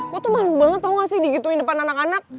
gue tuh manggu banget tau gak sih digituin depan anak anak